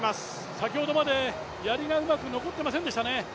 先ほどまでやりがうまく残っていませんでしたね。